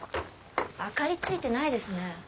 明かりついてないですね。